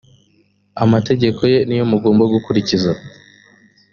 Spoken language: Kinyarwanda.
amategeko ye ni yo mugomba gukurikiza;